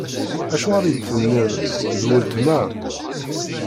Acuɣer i d-tenniḍ: D weltma?